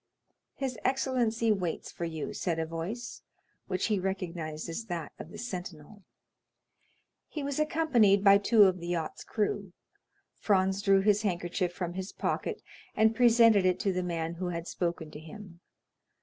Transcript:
"His excellency waits for you," said a voice, which he recognized as that of the sentinel. He was accompanied by two of the yacht's crew. Franz drew his handkerchief from his pocket, and presented it to the man who had spoken to him.